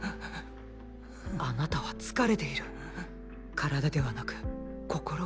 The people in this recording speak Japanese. あなたは疲れている体ではなく心が。